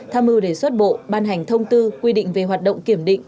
tham mưu đề xuất bộ ban hành thông tư quy định về hoạt động kiểm định